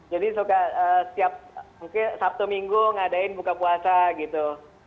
jadi siap sabtu minggu ngadain buka puasa gitu